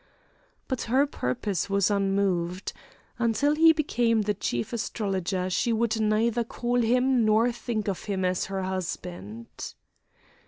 But her purpose was unmoved. Until he became the Chief Astrologer she would neither call him nor think of him as her husband.